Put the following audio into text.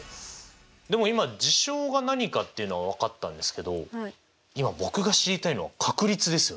でも今事象が何かっていうのは分かったんですけど今僕が知りたいのは確率ですよね。